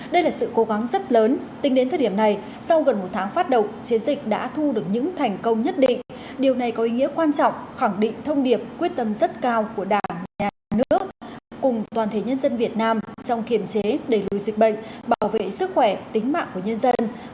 đây là sự cố gắng rất lớn tính đến thời điểm này sau gần một tháng phát động chiến dịch đã thu được những thành công nhất định điều này có ý nghĩa quan trọng khẳng định thông điệp quyết tâm rất cao của đảng nhà nước cùng toàn thể nhân dân việt nam trong kiểm chế đẩy lùi dịch bệnh bảo vệ sức khỏe tính mạng của nhân dân